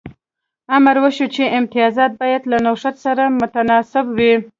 امر وشو چې امتیازات باید له نوښت سره متناسب وي